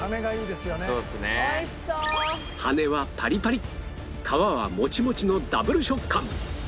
羽根はパリパリ皮はモチモチのダブル食感